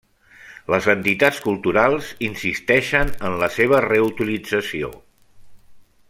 Les entitats culturals insisteixen en la seva reutilització.